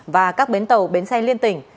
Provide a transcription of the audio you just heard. và các bến tàu bến xe liên tỉnh